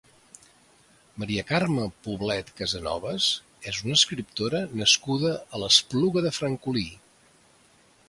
Maria Carme Poblet Casanovas és una escriptora nascuda a l'Espluga de Francolí.